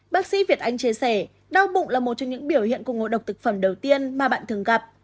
bác sĩ việt anh chia sẻ đau bụng là một trong những biểu hiện của ngộ độc thực phẩm đầu tiên mà bạn thường gặp